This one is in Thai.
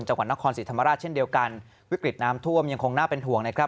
จังหวัดนครศรีธรรมราชเช่นเดียวกันวิกฤตน้ำท่วมยังคงน่าเป็นห่วงนะครับ